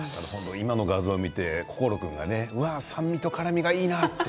今の画像を見て心君が酸味と辛みがいいなと。